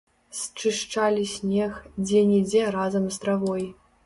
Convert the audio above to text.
Счышчалі снег, дзе-нідзе разам з травой.